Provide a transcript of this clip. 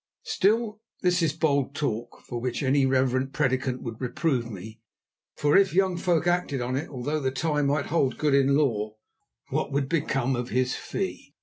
Still, this is bold talk, for which any reverend prédicant would reprove me, for if young folk acted on it, although the tie might hold good in law, what would become of his fee?